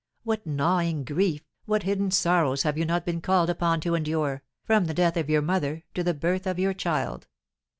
What gnawing grief, what hidden sorrows have you not been called upon to endure, from the death of your mother to the birth of your child!